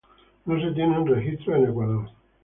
No se tienen registros en Ecuador.